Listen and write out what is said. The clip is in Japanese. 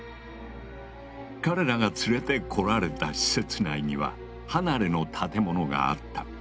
彼らが連れてこられた施設内には離れの建物があった。